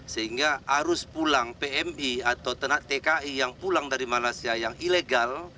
sehingga arus pulang pmi atau tenak tki yang pulang dari malaysia yang ilegal